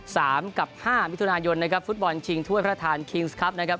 สามกับห้ามิถุนายนนะครับฟุตบอลชิงถ้วยพระทานคิงส์ครับนะครับ